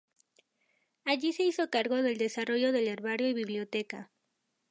Allí se hizo cargo del desarrollo del herbario y biblioteca.